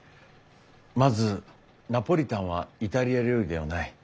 まずナポリタンはイタリア料理ではない。